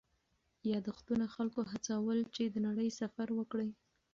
یادښتونه خلکو هڅول چې د نړۍ سفر وکړي.